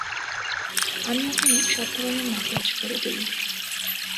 আমি ওখানে সব ধরনের ম্যাসাজ করে দিই।